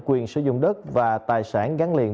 quyền sử dụng đất và tài sản gắn liền